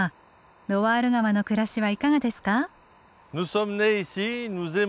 ロワール川の暮らしはいかがですか。